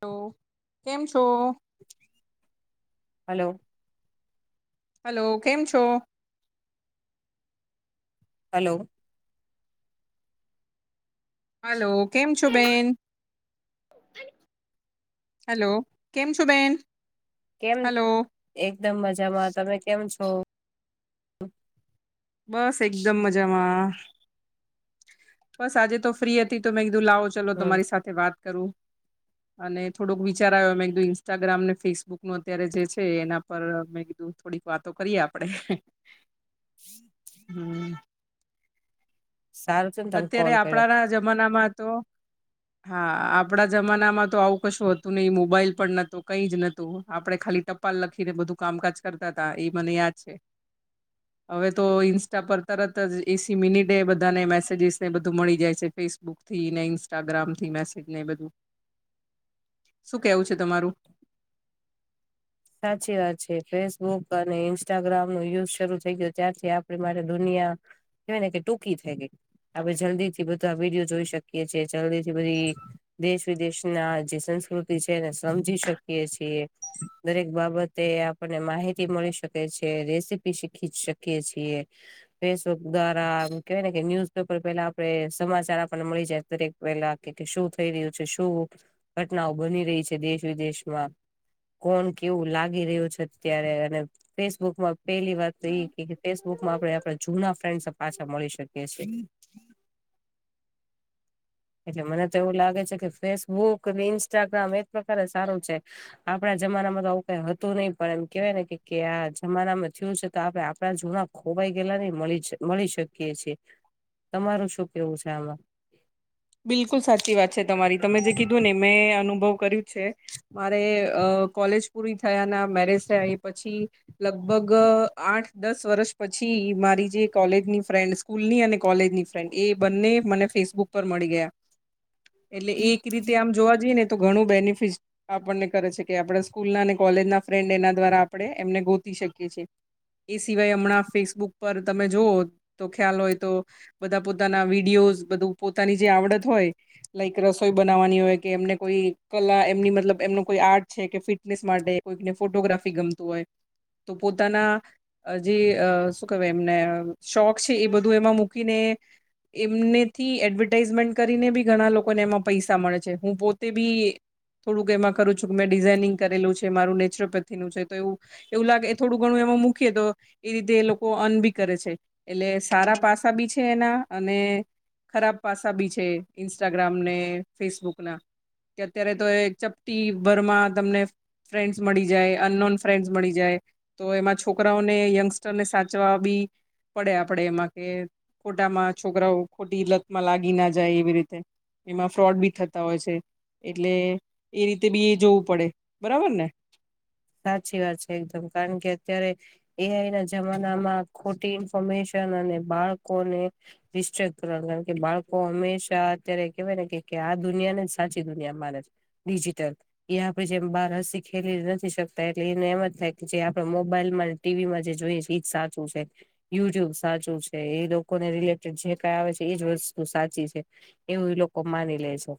Hello. કેમ છો? Hello. Hello. કેમ છો? હલો. હાલો. કેમ છો બહેન? હાલો. કેમ છો બહેન? કેમ, એકદમ મજામાં. તમે કેમ છો? બસ એકદમ મજામાં. બસ આજે તો ફ્રી હતી, તો મેં કીધું લાવો ચલો હમ તમારી સાથે વાત કરું. અને થોડોક વિચાર આવ્યો. મેં કીધુ ઇન્સ્ટાગ્રામ ને ફેસબુક નો અત્યારે જે છે એના પર મેં કીધું થોડીક વાતો કરીએ આપણે. હમ્મ. સારું [unintelligible] અત્યારે કર્યો આપણાના જમાનામાં તો હા. આપણાં જમાનામાં તો આવું કશું હતું નહિં. મોબાઈલ પણ નહોતું, કંઈ જ નહોતુ. આપણે ખાલી ટ પાલ લખી ને બધું કામકાજ કરતા તા, ઈ મને યાદ છે. હવે તો ઇન્સ્ટા પર તરત જ ઇસી મિનિટે બધાને મેસે સેજિસ ને એ બધું મળી જાય છે. ફેસબુક થી ને ઇન્સ્ટાગ્રામ થી મેસેજ ને એ બધું. શું કહેવું છે તમારું? સાચી વાત છે. ફેસબુક અને ઇન્સ્ટાગ્રામ નો યુઝ શરૂ થઈ ગયો, ત્યારથી આપણી માટે દુનિયા કહેવાય ને કે ટૂંકી થઈ ગઈ. આપણે જલ્દી થી બધા આ વિડીયો જોઈ શકીએ છીએ, જલ્દીથી બધી દેશ-વિદેશ ના જે સંસ્કૃતિ છે એને સમજી શકીએ છીએ. દરેક બાબતે આપણને માહિતી મળી શકે છે, રેસીપી શીખી શકીએ છીએ. ફેસબુક દ્વારા આમ કહેવાય ને કે ન્યુઝપેપર પહેલા આપણે સમાચાર આપણને મળી જાય દરેક. પહેલા, કે-કે શું થઈ રહ્યું છે, શું ઘટનાઓ બની રહી છે દેશ-વિદેશમાં. કોણ કેવું લાગી રહ્યું છે અત્યારે, અને ફેસબુકમાં પહેલી વાત તો ઈ કે ફેસબુકમાં આપણે આપણાં જૂના ફ્રેન્ડસે પાછા મળી શકીએ છીએ. એટલે મને તો એવું લાગે છે કે ફેસબુક ને ઇન્સ્ટાગ્રામ એક પ્રકારે સારું છે. આપણા જમાનામાં તો આવું કાંઈ હતું નહીં, પણ એમ કહેવાય ને કે-કે આ જમાનામાં થયું છે, તો આપણે આપણા જૂના ખોવાઈ ગયેલા નેઈ મલીચ મળી શકીએ છીએ. તમારું શું કહેવું છે આમાં? બિલકુલ સાચી વાત છે તમારી. તમે જે કીધું ને મેં અનુભવ કર્યું છે. મારે અહ કોલેજ પૂરી થયા ના, મેરેજ થયાં ઈ પછી લગભગ આઠ-દસ વર્ષ પછી મારી જે કોલેજની ફ્રેન્ડસ સ્કૂલ ની અને કોલેજની ફ્રેન્ડ. એ બંને મને ફેસબુક પર મળી ગયા. એટલે એક રીતે આમ જોવા જઈએ ને તો ઘણું બેનિફિસ આપણને કરે છે, કે આપણા સ્કૂલ ના અને કોલેજ ના ફ્રેન્ડ એના દ્વારા આપણે એમને ગોતી શકીએ છે. ઈ સિવાય હમણાં ફેસબુક પર તમે જોઓ તો ખ્યાલ હોય તો બધા પોતાના વિડીયોઝ બધું પોતાની જે આવડત હોય લાઈક રસોઈ બનાવવાની હોય, કે એમને કોઈ કલા એમની મતલબ એમનું કોઈ આર્ટ છે, કે ફિટ ટનેસ માટે કોઈકને ફોટોગ્રાફી ગમતું હોય. તો પોતાના અહ જે અહ શું કહેવાય એમને શોખ છે એ બધું એમાં મૂકીને એમને થી એડવર્ટાઈઝમેન્ટ કરીને બી ઘણા લોકોને એમાં પૈસા મળે છે, હું પોતે બી થોડુંક એમાં કરું છું મેં ડિઝાઈનિંગ કરેલું છે મારું નેચરપેથીનું છે તો એવું એવું લાગે થોડું ઘણું એમાં મૂકીએ તો એ રીતે એ લોકો અર્ન બિ કરે છે એટલે સારા પાસા બી છે એના અને ખરાબ પાસા બી છે, ઇન્સ્ટાગ્રામ ને ફેસબુક ના કે અત્યારે તો એ ચપટી ભરમાં તમને ફ્રેન્ડસ મળી જાય અનનોન ફ્રેન્ડસ મળી જાય તો એમાં છોકરાઓને યંગસ્ટરને સાચવા બી પડે આપળે એમાં કે ખોટામાં છોકરાઓ ખોટી લતમાં લાગી ના જાય એવી રીતે એમાં ફ્રોડ બી થતા હોય છે, એટલે એ રીતે બી એ જોવું પડે બરાબર ને? સાચી વાત છે એકદમ કારણ કે અત્યારે એ આઈ ના જમાના માં ખોટી ઇન્ફોર્મેશન અને બાળકોને રિસ્ટ્રીક્ટ કરવાણ કારણ કે બાળકો હંમેશા અત્યારે કેવાય ને કે આ દુનિયા ને સાચી દુનિયા માને છે ડિજિટલ એ આપળે જેમ બાર અશી ખેલી નથી શક તા એટલે ઈને એમ જ થાય કે જે આપળે મોબાઈલ માં, ટીવી માં જે જોઈએ ઈજ સાચું છે યુટ્યુબ સાચું છે ઈ લોકોને રિલેટેડ જે કાય આવે છે ઈજ વસ્તુ સાચી છે એવું ઈ લોકો માની લેય છે.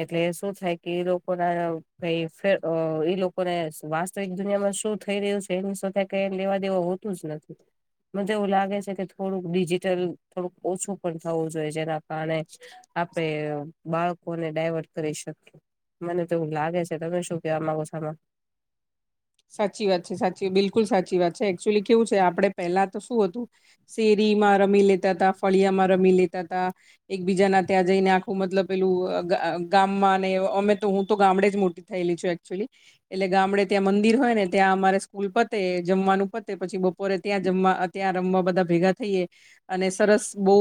એટલે શું થાય કે ઈ લોકો ના કઈ ફ્ર અ ઈ લોકોને સ વાસ તો એક દુનિયામાં શું થઈ રહ્યું છે એની સાથે કઈ લેવા દેવા હોતું જ નથી મન તો એવું લાગે છે કે થોડુંક ડિજિટલ થોડુંક ઓછું પણ થવું જોઈએ જેના કારણે આપેઅ બાળકોને ડાયવર્ટ કરી શકીએ મને તો એવું લાગે છે, તમે શું કેવા માંગો છો આમાં? સાચી વાત છે, સાચી બિલકુલ સાચી વાત છે એકચુલી કેવું છે આપળે પેલા તો શું અતું શેરીમાં રમી લેતા તા, ફલિયા માં રમી લેતા તા એકબીજા ના ત્યાં જઈને આખું મતલબ પેલું અ ગ ગામમાં ને અમે તો હું તો ગામડે જ મોટી થેયલી છે એકક્ચુલી એટલે ગામળે ત્યાં મં દિર ને ત્યાં અમારે સ્કૂલ પતે, જમવાનું પતે પછી બપોરે ત્યાં જમવા અ ત્યાં રમવા બધા ભેગા થઈએ અને સરસ બો